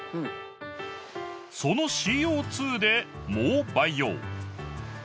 そのＣＯ２で藻を培養